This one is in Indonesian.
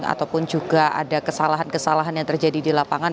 ataupun juga ada kesalahan kesalahan yang terjadi di lapangan